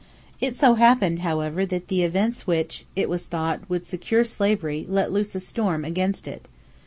It so happened, however, that the events which, it was thought, would secure slavery let loose a storm against it.